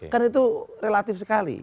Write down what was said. kan itu relatif sekali